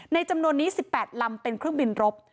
จำนวนนี้๑๘ลำเป็นเครื่องบินรบ